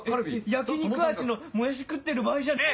焼き肉味のもやし食ってる場合じゃねえ！